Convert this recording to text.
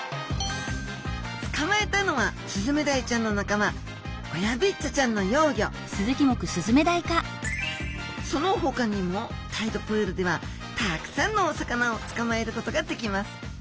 つかまえたのはスズメダイちゃんの仲間オヤビッチャちゃんの幼魚そのほかにもタイドプールではたくさんのお魚をつかまえることができます。